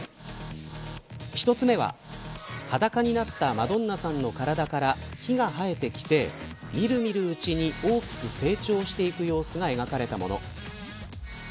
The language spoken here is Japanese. １つ目は裸になったマドンナさんの体から木がはえてきてみるみるうちに大きく成長していく様子が描かれたもの。